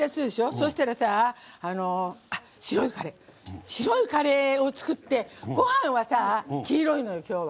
そしたらさ、白いカレーを作ってごはんは黄色いのよ、今日は。